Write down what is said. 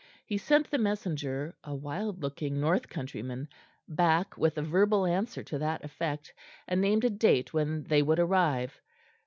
He sent the messenger, a wild looking North countryman, back with a verbal answer to that effect, and named a date when they would arrive.